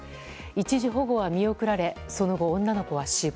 一時保護は見送られその後、女の子は死亡。